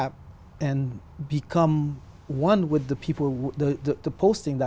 và tôi tôi thích để